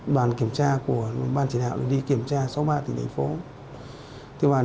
đoàn kiểm tra của ban chỉ đạo đi kiểm tra số ba tỉnh tỉnh phố